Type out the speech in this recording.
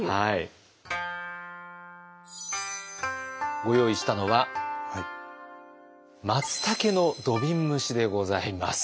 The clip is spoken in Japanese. ご用意したのはまつたけの土瓶蒸しでございます。